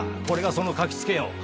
これがその書き付けよ！